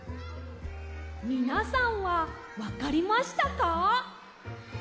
みなさんはわかりましたか？